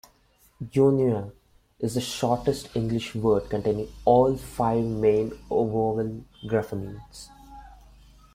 "Eunoia" is the shortest English word containing all five main vowel graphemes.